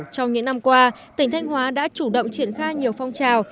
trong những năm qua tỉnh thanh hóa đã chủ động triển khai nhiều phong trào